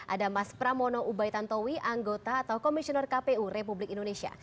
ada mas pramono ubai tantowi anggota atau komisioner kpu republik indonesia